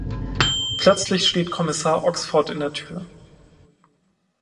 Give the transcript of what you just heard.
Plötzlich steht Kommissar Oxford in der Tür.